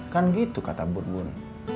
kan gitu kata bun bun